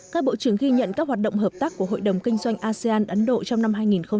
các bộ trưởng ghi nhận các hoạt động hợp tác của hội đồng kinh doanh asean ấn độ trong năm hai nghìn hai mươi